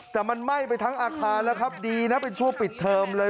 แต่มันไหม้ไปทั้งอาคารแล้วครับดีนะเป็นช่วงปิดเทอมเลย